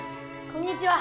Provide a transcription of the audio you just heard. こんにちは。